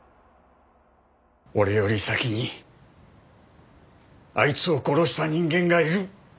俺より先にあいつを殺した人間がいる。